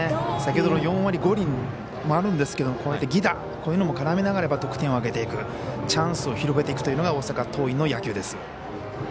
先ほどの４割５厘もあるんですけれどもこうやって犠打、こういうのも絡めながら得点をあげていくチャンスを広げていくというのが大阪桐蔭の野球です。